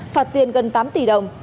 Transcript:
phạt tiền gần tám tỷ đồng